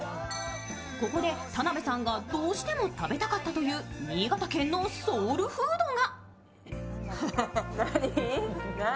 ここで田辺さんがどうしても食べたかったという新潟県のソウルフードが。